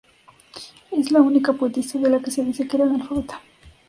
Es la única poetisa de la que se dice que era analfabeta.